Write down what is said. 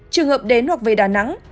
trường hợp đến hoặc về đà nẵng